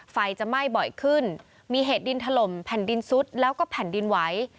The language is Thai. ไฟจะไหม้บ่อยขึ้นมีเหตุดินถล่มแผ่นดินซุดแล้วก็แผ่นดินไหว